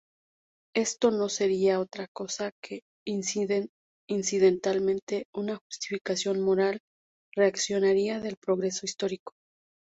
Esto no sería otra cosa que, incidentalmente, una justificación moral reaccionaria del progreso histórico.